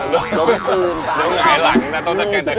ลุ้มคืนป่ะลุ้มอย่างนั้นหลังต้องให้ลักแทรก